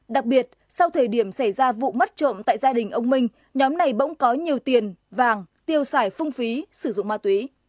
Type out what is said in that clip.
đặc biệt sau thời điểm xảy ra vụ mất trộm tại gia đình ông minh nhóm này bỗng có nhiều tiền vàng tiêu xài phung phí sử dụng ma túy